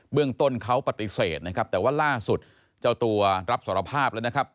เรื่องต้นเขาปฏิเสธนะครับแต่ว่าล่าสุดเจ้าตัวรับสารภาพแล้วนะครับ